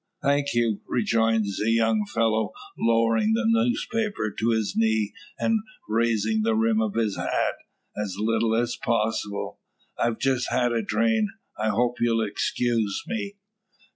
"Thank you," rejoins the young fellow, lowering the newspaper to his knee, and raising the rim of his hat, as little as possible; "I've just had a drain. I hope you'll excuse me."